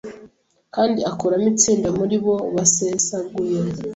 Kandi akuramo itsinda muri bo basesaguye